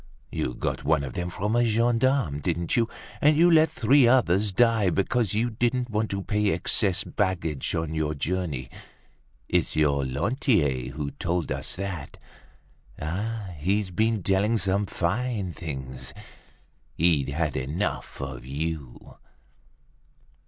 You got one of them from a gendarme, didn't you? And you let three others die because you didn't want to pay excess baggage on your journey. It's your Lantier who told us that. Ah! he's been telling some fine things; he'd had enough of you!"